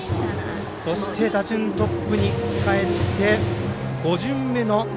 打順はトップにかえって５巡目の森。